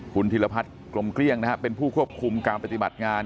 คุณธิรพัฒน์กลมเกลี้ยงนะฮะเป็นผู้ควบคุมการปฏิบัติงาน